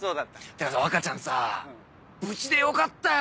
てかさ若ちゃんさ無事でよかったよ！